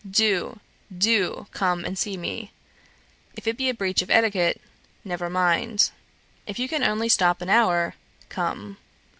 Do, do, do come and see me; if it be a breach of etiquette, never mind. If you can only stop an hour, come.